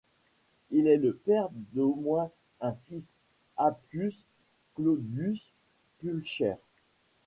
Il est le père d'au moins un fils, Appius Claudius Pulcher.